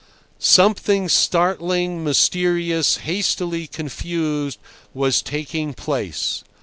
Something startling, mysterious, hastily confused, was taking place.